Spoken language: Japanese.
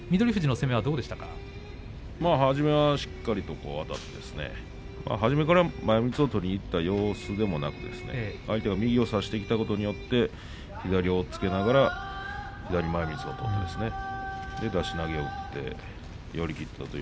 初めから前みつを取りにいった様子もなく相手が右を差してきたことによって左を押っつけながら左前みつを取って出し投げを打って寄り切りました。